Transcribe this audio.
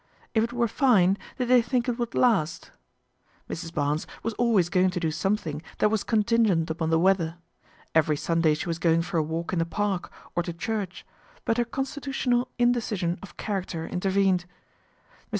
If it were fine, did they think it would last ? Mrs. Barnes was always going to do something that was contingent upon the weather. Every Sunday she was going for a walk in the Park, or to church ; but her constitutional indecision of character intervened. Mr.